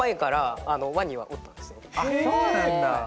あっそうなんだ。